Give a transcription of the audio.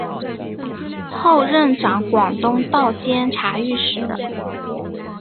后任掌广东道监察御史。